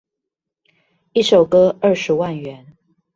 一首歌二十萬元